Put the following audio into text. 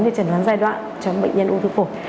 để chẩn đoán giai đoạn cho bệnh nhân ung thư phổi